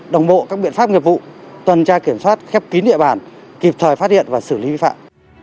đồng bộ các biện pháp nghiệp vụ tuần tra kiểm soát khép kín địa bàn kịp thời phát hiện và xử lý vi phạm